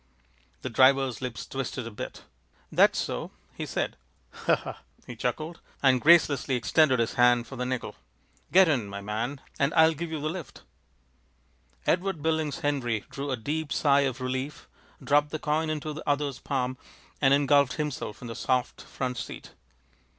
The driver's lips twisted a bit. "That's so," he said. "Huh!" he chuckled, and gracelessly extended his hand for the nickel. "Get in, my man, and I'll give you the lift." Edward Billings Henry drew a deep sigh of relief dropped the coin into the other's palm, and engulfed himself in the soft front seat.